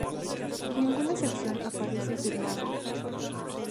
Ninguna sección aparece firmada.